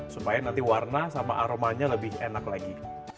supaya nanti warna sama aromanya lebih enak lagi